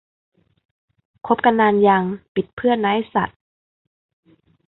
คบกันนานยัง ปิดเพื่อนนะ ไอ้สัด